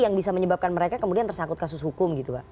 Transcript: yang bisa menyebabkan mereka kemudian tersangkut kasus hukum gitu pak